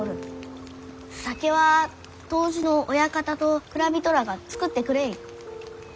酒は杜氏の親方と蔵人らあが造ってくれゆう。